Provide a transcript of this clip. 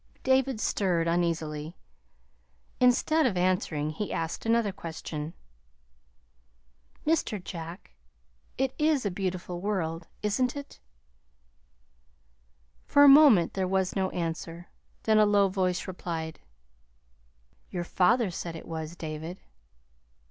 David stirred uneasily. Instead of answering, he asked another question. "Mr. Jack, it is a beautiful world, isn't it?" For a moment there was no, answer; then a low voice replied: "Your father said it was, David."